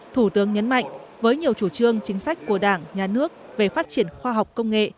thủ tướng nhấn mạnh với nhiều chủ trương chính sách của đảng nhà nước về phát triển khoa học công nghệ